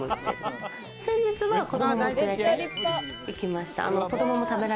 先日は子供も連れて行きました。